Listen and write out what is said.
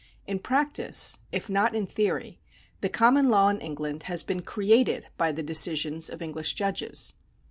In practice, if not in theory, the common law in England has been created by the decisions of English judges.